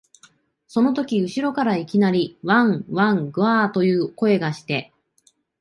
そのとき後ろからいきなり、わん、わん、ぐゎあ、という声がして、